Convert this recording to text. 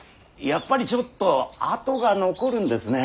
やっぱりちょっと痕が残るんですね。